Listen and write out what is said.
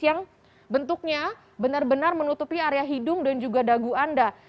yang bentuknya benar benar menutupi area hidung dan juga dagu anda